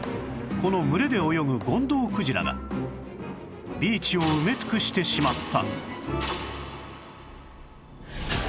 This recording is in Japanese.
この群れで泳ぐゴンドウクジラがビーチを埋め尽くしてしまった